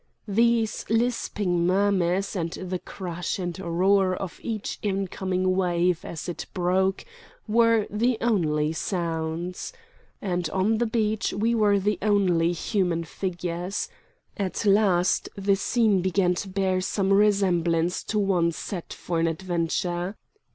These lisping murmurs and the crash and roar of each incoming wave as it broke were the only sounds. And on the beach we were the only human figures. At last the scene began to bear some resemblance to one set for an adventure.